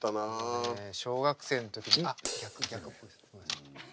もうね小学生の時にあっ逆逆。